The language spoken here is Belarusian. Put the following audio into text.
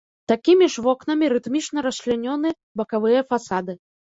Такімі ж вокнамі рытмічна расчлянёны бакавыя фасады.